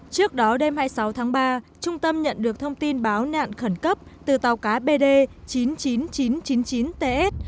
trước đó đêm hai mươi sáu tháng ba trung tâm nhận được thông tin báo nạn khẩn cấp từ tàu cá bd chín mươi chín nghìn chín trăm chín mươi chín ts